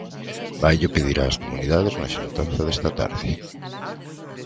Vaillo pedir ás comunidades na xuntanza desta tarde.